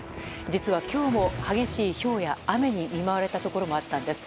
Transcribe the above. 実は、今日も激しいひょうや雨に見舞われたところもあったんです。